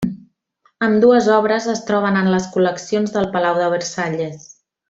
Ambdues obres es troben en les col·leccions del palau de Versalles.